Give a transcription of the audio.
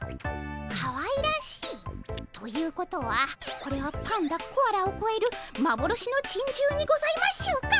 かわいらしい？ということはこれはパンダコアラをこえるまぼろしのちんじゅうにございましょうか。